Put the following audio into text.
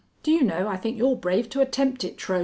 Do you know, I think you're brave to attempt it, Trohm.